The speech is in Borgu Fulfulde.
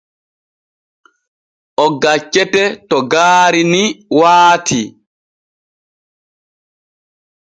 O gaccete to gaari ni waati.